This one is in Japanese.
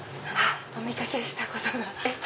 お見掛けしたことが。